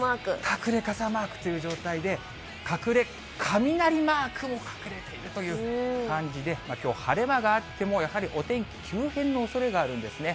隠れ傘マークという状態で、隠れ雷マークも隠れているという感じで、きょう、晴れ間があっても、やはりお天気、急変のおそれがあるんですね。